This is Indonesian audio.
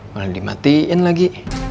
mulai dimatiin lagi